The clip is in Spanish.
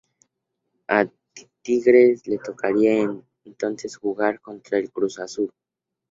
A Tigres le tocaría entonces jugar contra el Cruz Azul.